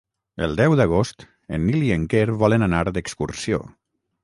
El deu d'agost en Nil i en Quer volen anar d'excursió.